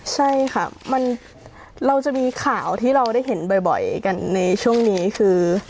ใช่ค่ะเราจะมีข่าวที่เราได้เห็นบ่อยกันในช่วงนี้คือ